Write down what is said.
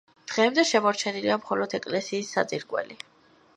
დღემდე შემორჩენილია მხოლოდ ეკლესიის საძირკველი.